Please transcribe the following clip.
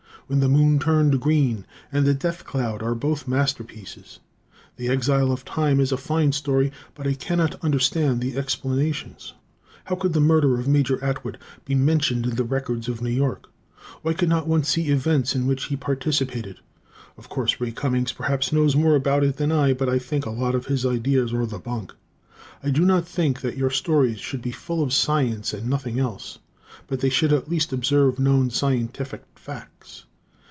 "When the Moon Turned Green" and "The Death Cloud" are both masterpieces. "The Exile of Time" is a fine story, but I cannot understand the explanations. How could the murder of Major Atwood be mentioned in the records of New York? Why could not one see events in which he participated? Of course, Ray Cummings perhaps knows more about it than I, but I think a lot of his ideas are the bunk. I do not think that your stories should be full of science and nothing else, but they should at least observe known scientific facts.